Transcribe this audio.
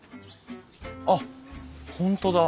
あっ本当だ。